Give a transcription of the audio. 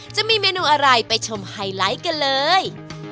จะมีเมนูอะไรไปชมไฮไลท์กันเลย